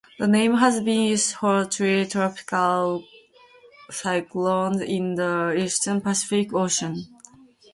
The name has been used for three tropical cyclones in the Eastern Pacific Ocean.